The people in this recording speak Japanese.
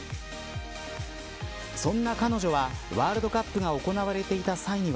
そんな彼女はワールドカップが行われていた際には。